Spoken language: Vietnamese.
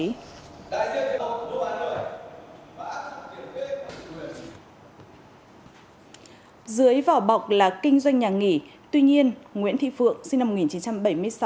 dưới vỏ bọc là kinh doanh nhà nghỉ tuy nhiên nguyễn thị phượng sinh năm một nghìn chín trăm bảy mươi sáu